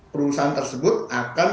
perusahaan tersebut akan